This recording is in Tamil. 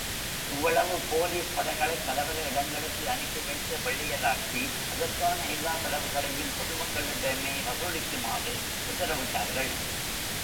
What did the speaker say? இவ்வளவு போலீஸ் படைகளைக் கலவர இடங்களுக்கு அனுப்பி வைத்த வெள்ளையராட்சி, அதற்கான எல்லா செலவுகளையும் பொதுமக்களிடமே வசூலிக்குமாறு உத்தரவிட்டார்கள்.